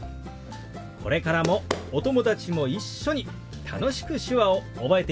これからもお友達も一緒に楽しく手話を覚えていってくださいね。